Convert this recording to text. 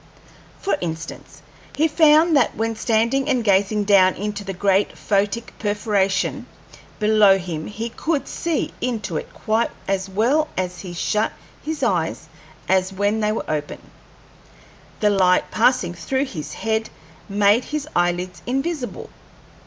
For instance, he found that when standing and gazing down into the great photic perforation below him, he could see into it quite as well when he shut his eyes as when they were open; the light passing through his head made his eyelids invisible.